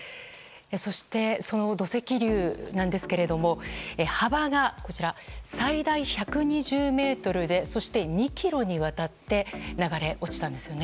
そして、その土石流ですが幅が最大１２０ｍでそして、２ｋｍにわたって流れ落ちたんですね。